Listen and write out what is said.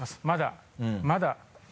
まだまだ。